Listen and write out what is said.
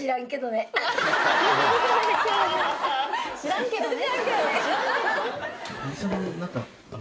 知らんけどね。